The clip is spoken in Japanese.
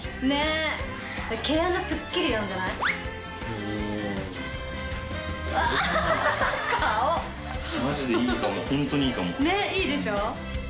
ねっいいでしょ？